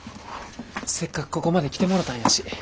せっかくここまで来てもろたんやし。